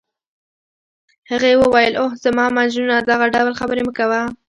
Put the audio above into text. هغې وویل: اوه، زما مجنونه دغه ډول خبرې مه کوه.